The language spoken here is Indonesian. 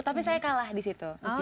tapi saya kalah di situ